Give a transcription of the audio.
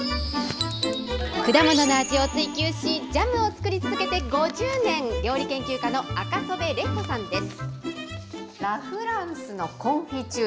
果物の味を追求し、ジャムを作り続けて５０年、料理研究家の赤曽部麗子さんです。